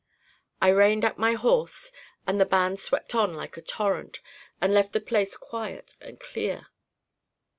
I reined up my horse, and the band swept on like a torrent, and left the place quiet and clear.